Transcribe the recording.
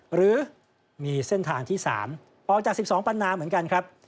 หรือมีเส้นทางที่๓ออกจาก๑๒ปันนาเหมือนกันครับ